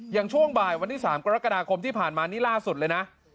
ช่วงบ่ายวันที่๓กรกฎาคมที่ผ่านมานี่ล่าสุดเลยนะ